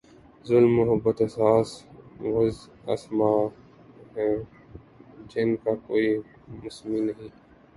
ظلم، محبت، احساس، محض اسما ہیں جن کا کوئی مسمی نہیں؟